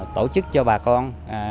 tổ chức cho bà con